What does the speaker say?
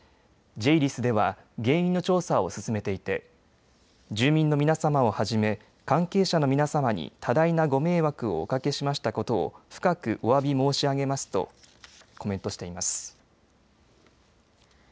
ＪーＬＩＳでは原因の調査を進めていて住民の皆様をはじめ関係者の皆様に多大なご迷惑をおかけしましたことを深くおわび申し上げますとコメントしています。